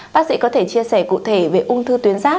bác sĩ có thể chia sẻ cụ thể về ung thư tuyến giáp